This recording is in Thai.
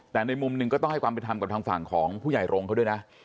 แต่ในมุมหนึ่งก็ต้องให้ความเป็นธรรมกับทางฝั่งของผู้ใหญ่รงค์เขาด้วยนะ